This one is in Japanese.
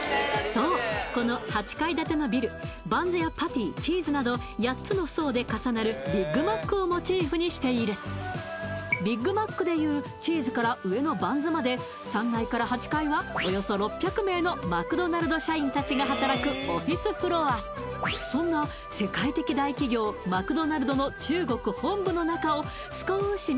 そうこの８階建てのビルバンズやパティチーズなど８つの層で重なるビッグマックをモチーフにしているビッグマックでいうチーズから上のバンズまで３階から８階はおよそ６００名のマクドナルド社員たちが働くオフィスフロアそんな世界的大企業すごい